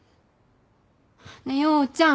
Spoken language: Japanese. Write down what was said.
ねえ陽ちゃん。